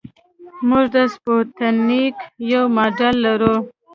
موږ د سپوتنیک یو ماډل لرو